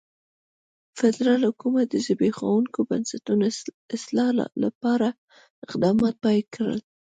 فدرالي حکومت د زبېښونکو بنسټونو اصلاح لپاره اقدامات پیل کړل.